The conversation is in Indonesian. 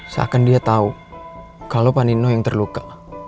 seakan dia tahu kalau panino yang terluka